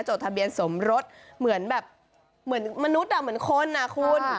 จดทะเบียนสมรสมันทุดเหมือนคนอะคุณ